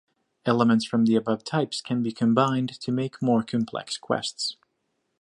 Elements from the above types can be combined to make more complex quests.